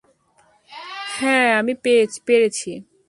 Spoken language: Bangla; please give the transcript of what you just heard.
হ্যাঁ, আমি পেরেছি।